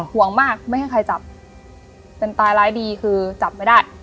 ห่วงมากไม่ให้ใครจับเป็นตายร้ายดีคือจับไม่ได้